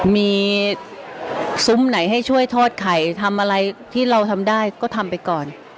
มีซุ้มไหนให้ช่วยทอดไข่ทำอะไรที่เราทำได้ก็ทำไปก่อน